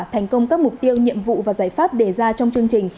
thành công các mục tiêu nhiệm vụ và giải pháp đề ra trong chương trình